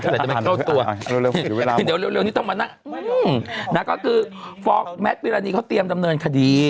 แต่จะไม่เข้าตัวเดี๋ยวนี่ต้องมานะนั่นก็คือฟ้องแม็กซ์พิราณีเขาเตรียมดำเนินคดี